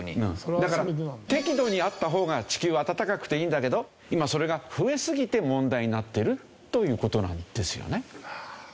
だから適度にあった方が地球は暖かくていいんだけど今それが増えすぎて問題になってるという事なんですよね。